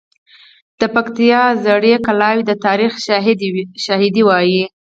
د پکتیا زړې کلاوې د تاریخ شاهدي وایي.